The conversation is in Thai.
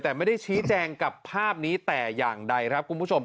แต่ไม่ได้ชี้แจงกับภาพนี้แต่อย่างใดครับคุณผู้ชม